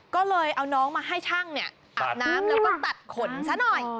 ก็เลยเอาน้องมาให้ช่างอาบน้ำแล้วก็ตัดขนซะหน่อย